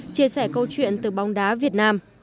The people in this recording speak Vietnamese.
chia sẻ câu chuyện từ bóng đá việt nam